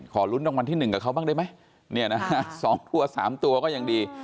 ลุ้นรางวัลที่๑กับเขาบ้างได้ไหมเนี่ยนะฮะ๒ตัว๓ตัวก็ยังดี